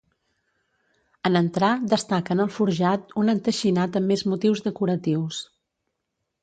En entrar destaca en el forjat un enteixinat amb més motius decoratius.